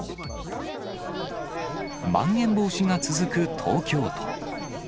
まん延防止が続く東京都。